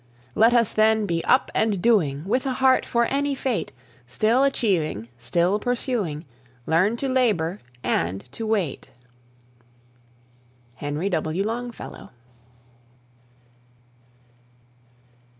Let us, then, be up and doing, With a heart for any fate; Still achieving, still pursuing, Learn to labour and to wait. HENRY W. LONGFELLOW.